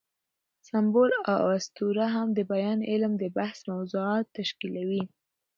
سمبول او اسطوره هم د بیان علم د بحث موضوعات تشکیلوي.